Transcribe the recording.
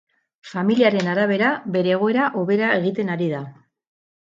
Familiaren arabera, bere egoera hobera egiten ari da.